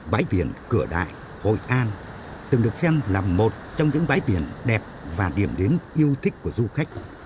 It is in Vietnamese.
bãi biển cửa đại hội an từng được xem là một trong những bãi biển đẹp và điểm đến yêu thích của du khách